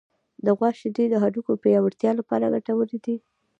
د غوا شیدې د هډوکو پیاوړتیا لپاره ګټورې دي.